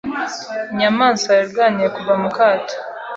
Inyamaswa yarwaniye kuva mu kato.